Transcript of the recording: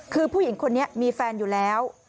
คือผู้หญิงคนนี้มีแฟนอยู่แล้ว